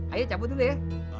ayah cabut dulu ya